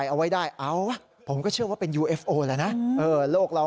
แล้วก็เรียกเพื่อนมาอีก๓ลำ